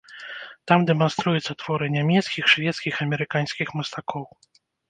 Там дэманструюцца творы нямецкіх, шведскіх, амерыканскіх мастакоў.